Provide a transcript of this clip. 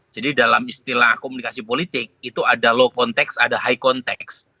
jadi dalam istilah komunikasi politik itu ada low context ada high context